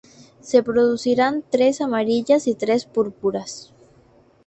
Se producirán trece amarillas y tres púrpuras.